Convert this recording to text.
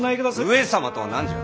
上様とは何じゃ？